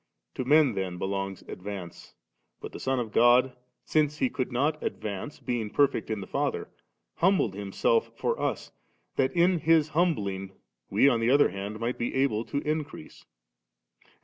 To men then belongs advance; but the Son of God, since He could not ad vance, being perfect in the Father, humbled Himself for us, that in His humbling we on the other hand mi^ht be able to increase.